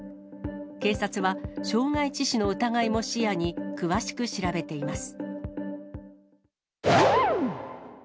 警察は傷害致死の疑いも視野に詳しく調べています。